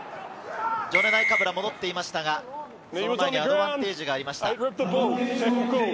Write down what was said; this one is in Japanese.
ジョネ・ナイカブラも取っていましたが、その前にアドバンテージがありました。